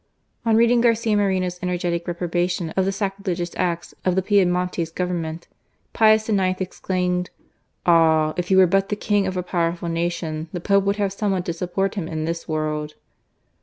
On reading Garcia Moreno's energetic reproba tion of the sacrilegious acts of the Piedftiontese Government, Pius IX. exclaimed, "Ah! if he were but the King of a powerful nation, the Pope would have some one to support him in this world